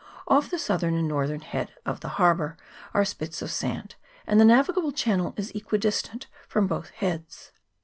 Off the southern and northern head of the harbour are spits of sand, and the navigable channel is equidistant from both heads.